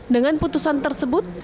dengan putusan tersebut